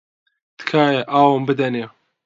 تکایە ئاوم بدەنێ.